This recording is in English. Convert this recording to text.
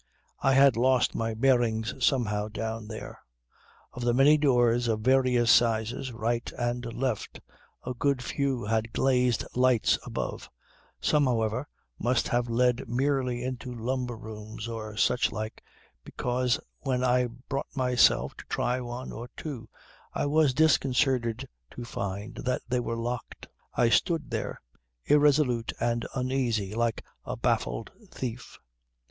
"I had lost my bearings somehow down there. Of the many doors of various sizes, right and left, a good few had glazed lights above; some however must have led merely into lumber rooms or such like, because when I brought myself to try one or two I was disconcerted to find that they were locked. I stood there irresolute and uneasy like a baffled thief.